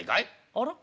「あら？